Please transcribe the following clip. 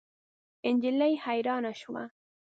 نجلۍ حیرانه شوه.